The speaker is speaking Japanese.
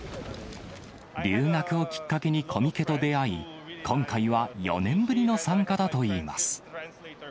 留学をきっかけにコミケと出会い、今回は４年ぶりの参加だといいます。